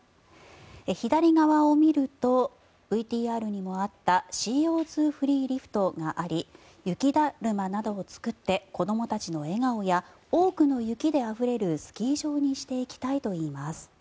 左側を見るとＶＴＲにもあったＣＯ２フリーリフトがあり雪だるまなどを作って子どもたちの笑顔や多くの雪であふれるスキー場にしていきたいといいます。